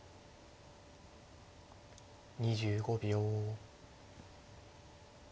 ２５秒。